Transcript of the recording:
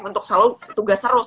untuk selalu tugas terus